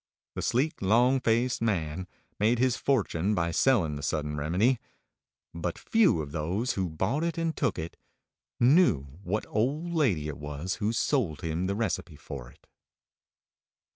The sleek, long faced man made his fortune by selling the Sudden Remedy, but few of those who bought it and took it knew what old lady it was who sold him the recipe for it.